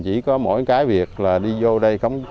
chỉ có mỗi cái việc là đi vô đây